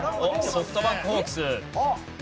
ソフトバンクホークス。